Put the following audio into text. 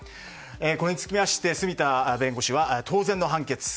これにつきまして、住田弁護士は当然の判決。